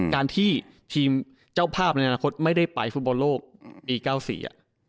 การที่ทีมเจ้าภาพในอนาคตไม่ได้ไปฟุตบอลโลกปี๙๔